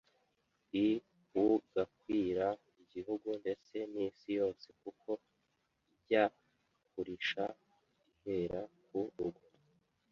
i ugakwira igihugu ndetse n’isi yose kuko “Ijya kurisha ihera ku rugo”